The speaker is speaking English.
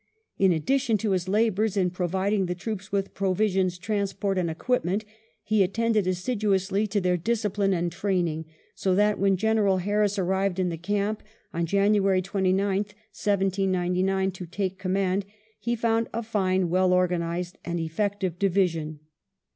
In addition to his labours in provid ing the troops with provisions, transport, and equipment, he attended assiduously to their discipline and training; so that when General Harris arrived in the camp on January 29th, 1799, to take command, he found a fine, well organised, and effective division.